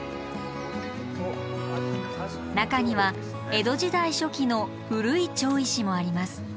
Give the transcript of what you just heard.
中には江戸時代初期の古い町石もあります。